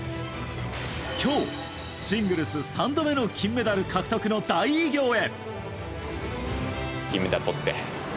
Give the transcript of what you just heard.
今日、シングルス３度目の金メダル獲得の大偉業へ。